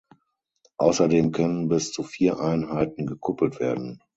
Außerdem können bis zu vier Einheiten gekuppelt werden.